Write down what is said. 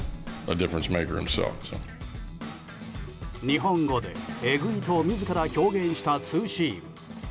日本語で「えぐい」と自ら表現したツーシーム。